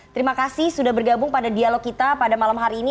terima kasih sudah bergabung pada dialog kita pada malam hari ini